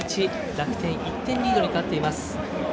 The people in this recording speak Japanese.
楽天、１点リードに変わっています。